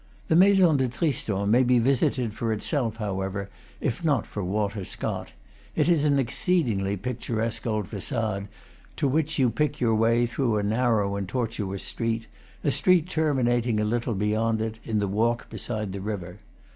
The Maison de Tristan may be visited for itself, however, if not for Walter Scott; it is an exceedingly picturesque old facade, to which you pick your way through a narrow and tortuous street, a street terminating, a little be yond it, in the walk beside the river.